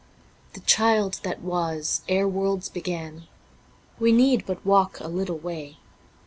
The Child that was ere worlds begun (... We need but walk a little way